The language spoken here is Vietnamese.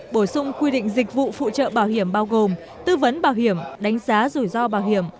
bổ sung quy định dịch vụ phụ trợ bảo hiểm bao gồm tư vấn bảo hiểm đánh giá rủi ro bảo hiểm